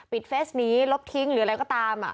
เฟสนี้ลบทิ้งหรืออะไรก็ตาม